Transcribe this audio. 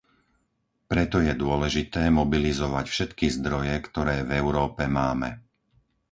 Preto je dôležité mobilizovať všetky zdroje, ktoré v Európe máme.